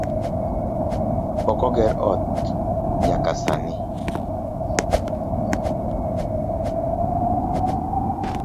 Pok oger ot nyaka sani